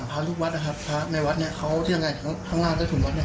ประมาณ๔๕ทีเขาเดินเข้าไปในภูมิเหลือ